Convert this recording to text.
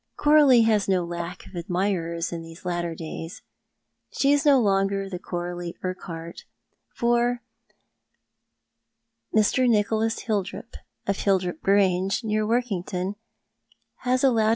Coralie has no lack of admirers in these latter days. She is no longer Coralie Urquhart, for Mr. Nicholas Ilildrop, of Ilildrop Grange, near Workington, has allowed him.